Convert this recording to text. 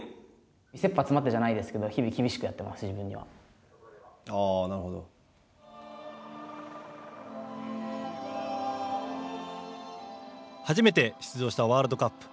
せっぱ詰まってじゃないですけど、日々厳しくやっています、自分に初めて出場したワールドカップ。